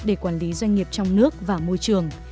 để quản lý doanh nghiệp trong nước và môi trường